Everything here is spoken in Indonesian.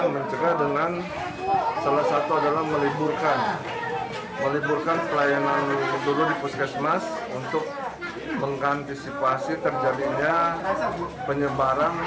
kami mencegah dengan salah satu adalah meliburkan pelayanan di puskesmas untuk mengantisipasi terjadinya penyebaran